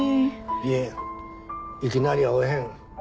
いえいきなりやおへん。